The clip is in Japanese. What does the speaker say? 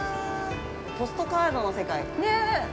◆ポストカードの世界。